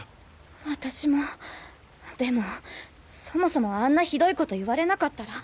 私もでもそもそもあんなひどい事言われなかったら。